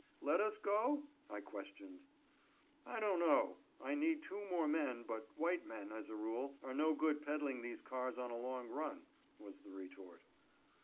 "Let us go?" I questioned. "I don't know; I need two more men, but white men, as a rule, are no good peddling these cars on a long run," was the retort.